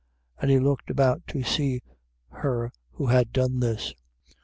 5:32. And he looked about to see her who had done this.